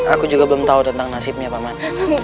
aku juga belum tahu tentang nasibnya paman